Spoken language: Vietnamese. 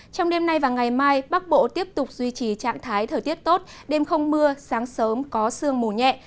trong đêm nay và ngày mai bắc bộ tiếp tục duy trì trạng thái thời tiết tốt đêm không mưa sáng sớm có sương mù nhẹ